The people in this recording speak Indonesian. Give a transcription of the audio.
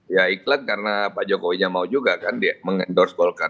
ya iklan karena pak jokowinya mau juga kan mengendorse golkar